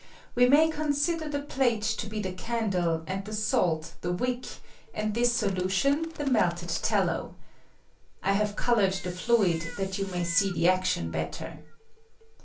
We may consider the plate to be the candle, and the salt the wick, and this solution the melted tallow. (I have colored the fluid, that you may see the action better.)